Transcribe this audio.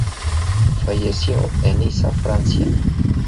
Falleció en Niza, Francia.